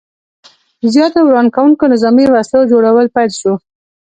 زیاتو ورانوونکو نظامي وسلو جوړول پیل شو.